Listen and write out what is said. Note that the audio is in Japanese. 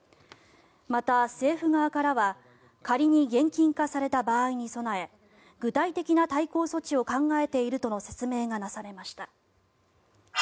また、政府側からは仮に現金化された場合に備え具体的な対抗措置を考えているとの説明がなされました。